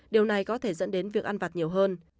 điều này có thể dẫn đến việc ăn vặt nhiều hơn